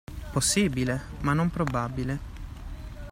Possibile, ma non probabile!